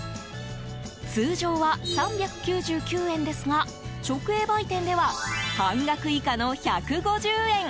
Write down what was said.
通常は３９９円ですが直営売店では半額以下の１５０円。